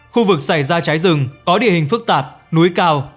khu vực xảy ra cháy rừng có địa hình phức tạp núi cao